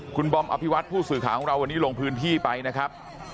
คุณบอมอภิวัตผู้สื่อข่าวของเราวันนี้ลงพื้นที่ไปนะครับ